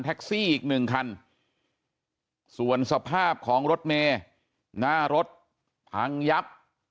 แท็กซี่อีก๑คันส่วนสภาพของรถเมคันหน้ารถพังยับ